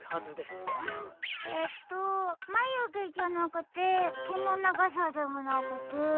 えっとまゆげじゃなくてけのながさでもなくて。